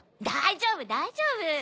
大丈夫大丈夫！